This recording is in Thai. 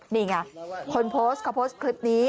นี่ไงคนโพสต์เขาโพสต์คลิปนี้